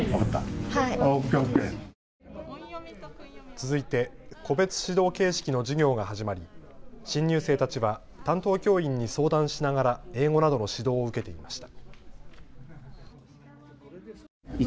続いて個別指導形式の授業が始まり新入生たちは担当教員に相談しながら英語などの指導を受けていました。